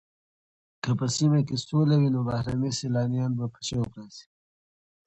که په سیمه کې سوله وي نو بهرني سېلانیان به په شوق راشي.